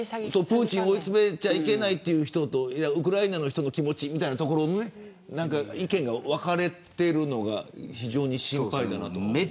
プーチンを追い詰めてはいけないという人とウクライナの人の気持ちみたいなところで意見が分かれているのが非常に心配だと思います。